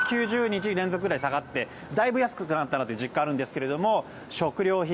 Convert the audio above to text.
９０日連続で下がってだいぶ安くなったなと実感があるんですが食料品、